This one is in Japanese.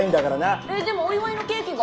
えでもお祝いのケーキが。